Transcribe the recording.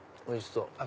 おいしそう！